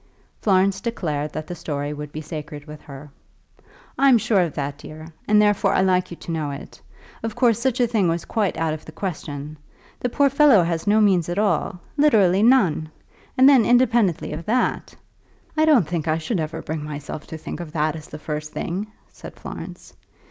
Florence declared that the story would be sacred with her. "I'm sure of that, dear, and therefore I like you to know it. Of course such a thing was quite out of the question. The poor fellow has no means at all, literally none. And then, independently of that " "I don't think I should ever bring myself to think of that as the first thing," said Florence.